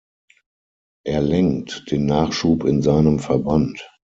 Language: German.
Er „lenkt“ den Nachschub in seinem Verband.